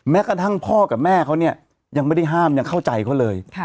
กระทั่งพ่อกับแม่เขาเนี่ยยังไม่ได้ห้ามยังเข้าใจเขาเลย